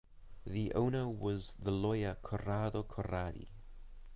The owner was the lawyer Corrado Corradi.